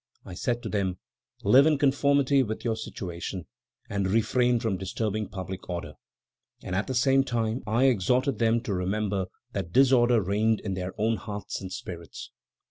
I said to them, 'Live in conformity with your situation and refrain from disturbing public order;' and, at the same time, I exhorted them to remember that disorder reigned in their own hearts and spirits.